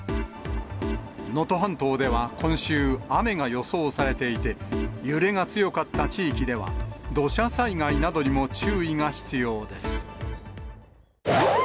能登半島では今週、雨が予想されていて、揺れが強かった地域では土砂災害などにも注意が必要です。